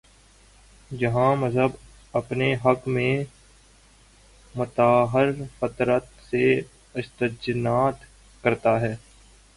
جہاں مذہب اپنے حق میں مظاہر فطرت سے استنباط کر تا ہے۔